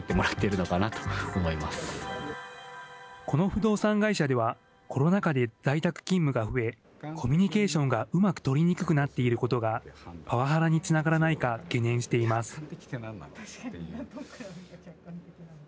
この不動産会社では、コロナ禍で在宅勤務が増え、コミュニケーションがうまく取りにくくなっていることがパワハラにつながらないか懸念しています。